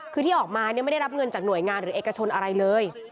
คือที่ออกมาไม่ได้รับเงินจากหน่วยงานหรือเอกชนอะไรเลย